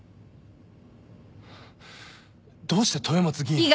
どうして豊松議員を？